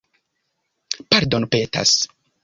pardonpetas